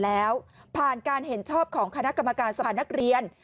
แล้วผ่านการเห็นชอบของคณะกรรมการสภานักเรียน